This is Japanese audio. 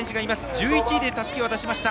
１１位でたすきを渡しました。